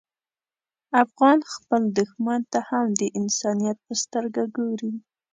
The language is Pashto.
افغان خپل دښمن ته هم د انسانیت په سترګه ګوري.